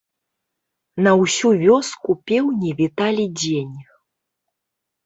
На ўсю вёску пеўні віталі дзень.